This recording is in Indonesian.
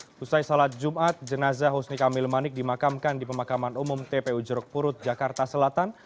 setelah salat jumat jenazah husni kamil manik dimakamkan di pemakaman umum tpu jeruk purut jakarta selatan